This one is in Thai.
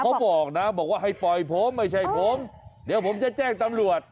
เขาบอกนะบอกว่าให้ปล่อยผมไม่ใช่ผมเดี๋ยวผมจะแจ้งตำรวจ